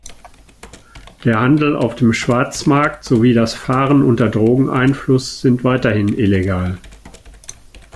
Der Handel auf dem Schwarzmarkt sowie das Fahren unter Drogeneinfluss sind weiterhin illegal.